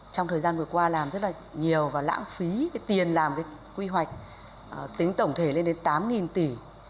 trong thời gian vừa qua làm rất là nhiều và lãng phí cái tiền làm cái quy hoạch tính tổng thể lên đến tám tỷ